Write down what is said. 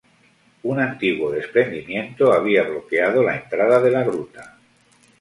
Un antiguo desprendimiento había bloqueado la entrada de la gruta.